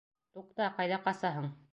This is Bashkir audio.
Туҡта, ҡайҙа ҡасаһың?